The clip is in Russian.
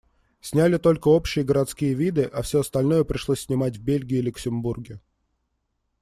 Сняли только общие городские виды, а все остальное пришлось снимать в Бельгии и Люксембурге.